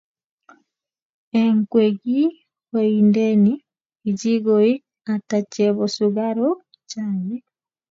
eng kwekeny ko indeni kijikoik ata chebo sikaruk chaik